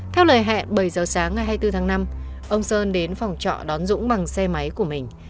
theo lời hẹn bảy giờ sáng ngày hai mươi bốn tháng năm ông sơn đến phòng trọ đón dũng bằng xe máy của mình